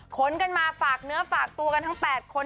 ขนกันมาฝากเนื้อฝากตัวกันทั้ง๘คน